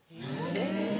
えっ？